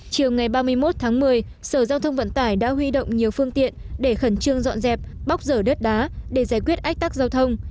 chiều ngày ba mươi một tháng một mươi sở giao thông vận tải đã huy động nhiều phương tiện để khẩn trương dọn dẹp bóc dở đất đá để giải quyết ách tắc giao thông